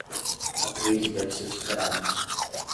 A crise deve ser superada